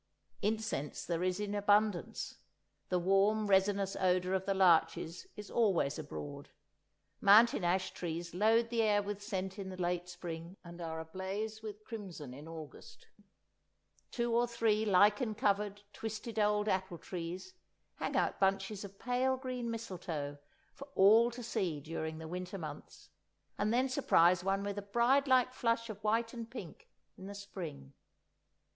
Incense there is in abundance. The warm resinous odour of the larches is always abroad; mountain ash trees load the air with scent in the late spring, and are ablaze with crimson in August. Two or three lichen covered, twisted old apple trees hang out bunches of pale green mistletoe, for all to see during the winter months, and then surprise one with a bride like flush of white and pink in the spring.